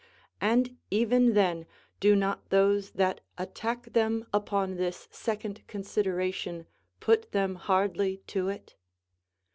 And even then do not those that attack them upon this second consideration put them hardly to it?